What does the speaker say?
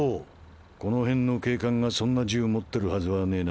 この辺の警官がそんな銃持ってるはずはねえな。